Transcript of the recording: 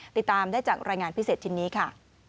ติดตามได้จากรายงานพิเศษชิ้นนี้ค่ะ